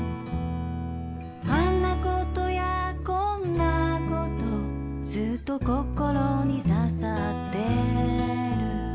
「あんなことやこんなことずっと心に刺さってる」